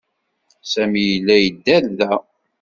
Sami yella yedder da.